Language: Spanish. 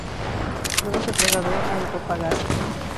Luego se trasladó a Antofagasta.